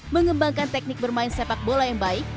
mengembangkan teknik bermain sepak bola yang baik